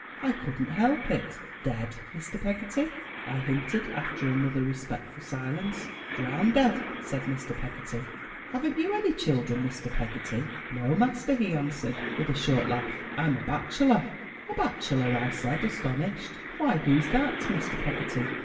I couldn't help it. "—Dead, Mr. Peggotty?'' I hinted, after another respectful silence. "Drowndead,'' said Mr. Peggotty. "Haven't you any children, Mr. Peggotty? "No, master,*' he answered, with a short laugh. "I'm a bacheldore." "A bachelor!" I said, astonished. "Why, who's that, Mr. Peggotty?"